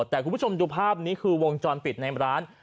แต่คุณผู้ชมดูภาพนี้คือวงจรปิดในร้าน